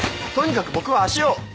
とにかく僕は足を。